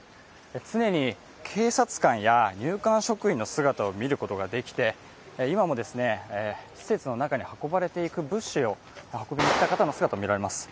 常に警察官や入管職員の姿を見ることができて今も施設の中に運ばれていく物資を運んでいく人の姿が見えます。